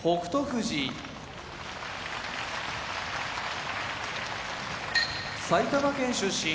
富士埼玉県出身